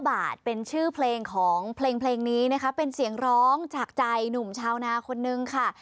บาทเป็นชื่อเพลงของเพลงนี้นะคะเป็นเสียงร้องจากใจหนุ่มชาวนาคนนึงค่ะ